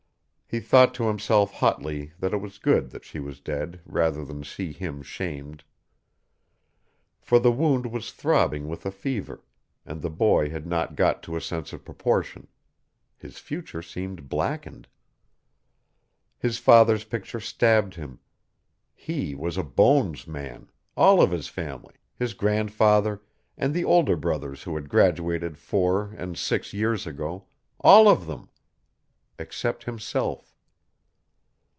He thought to himself hotly that it was good she was dead rather than see him shamed. For the wound was throbbing with a fever, and the boy had not got to a sense of proportion; his future seemed blackened. His father's picture stabbed him; he was a "Bones" man all of his family his grandfather, and the older brothers who had graduated four and six years ago all of them. Except himself.